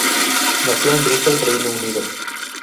Nació en Bristol, Reino Unido.